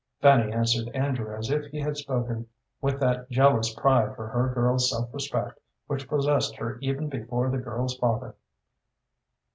Fanny answered Andrew as if he had spoken, with that jealous pride for her girl's self respect which possessed her even before the girl's father.